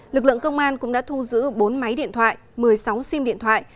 lực lượng công an cũng đã thu giữ bốn máy điện thoại một mươi sáu sim điện thoại